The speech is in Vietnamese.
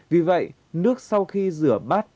vì vậy nước sau khi rửa bát